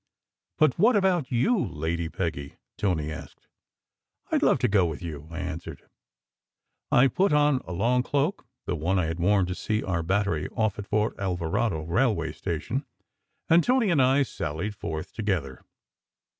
"But what about you, Lady Peggy? " Tony asked. "I d love to go with you," I answered. I put on a long cloak, the one I had worn to see "our" battery off at Fort Alvarado railway station, and Tony and I sallied forth together.